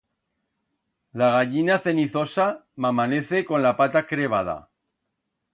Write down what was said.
La gallina cenizosa m'amanece con la pata crebada.